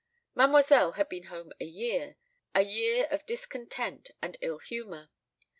Mademoiselle had been at home a year a year of discontent and ill humour.